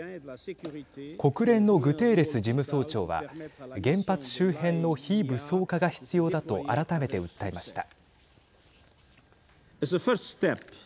国連のグテーレス事務総長は原発周辺の非武装化が必要だと改めて訴えました。